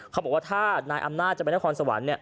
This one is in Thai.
เขาบอกว่าถ้านายอำนาจจะไปนครสวรรค์